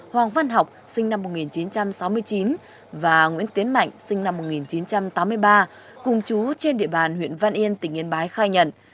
hoàng văn học sinh năm một nghìn chín trăm sáu mươi chín và nguyễn tiến mạnh sinh năm một nghìn chín trăm tám mươi ba cùng chú trên địa bàn huyện văn yên tỉnh yên bái khai nhận